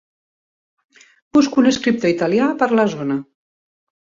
Busco un escriptor italià per la zona.